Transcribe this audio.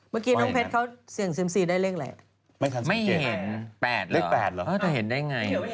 เมื่อกี้น้องเพชรเค้าเสี่ยงซึมซีได้เลขไหน